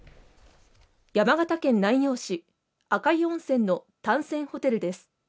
山形県南陽市赤湯温泉の丹泉ホテルです